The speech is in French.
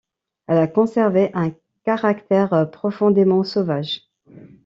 Elle a conservé un caractère profondément sauvage.